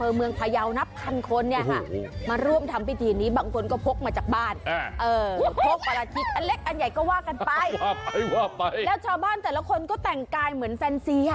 แล้วชาวบ้านแต่ละคนก็แต่งกายเหมือนแฟนซี